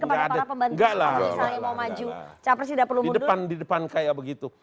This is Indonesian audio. kalau capres tidak perlu mundur